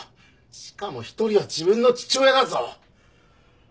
しかも１人は自分の父親だぞ。